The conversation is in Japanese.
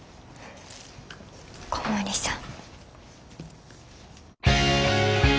小森さん。